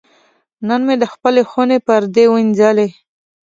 نن مې د خپلې خونې پردې وینځلې.